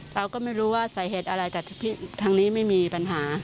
เราก็ไม่รู้ว่าสาเหตุอะไรแต่ทางนี้ไม่มีปัญหา